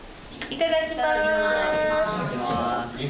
いただきます。